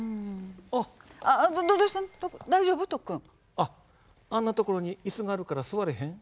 あっあんなところに椅子があるから座らへん？